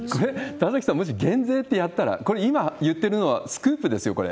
田崎さん、もし減税ってやったら、これ、今言ってるのはスクープですよ、これ。